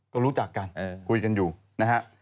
ก็รู้จักกันคุยกันอยู่นะฮะ